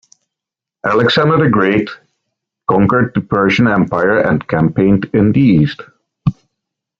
Alexander the Great conquered the Persian empire and campaigned in the east.